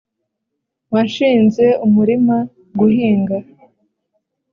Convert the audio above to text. Wanshinze umurima guhinga,